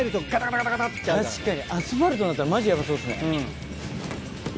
確かにアスファルトになったらマジヤバそうですね。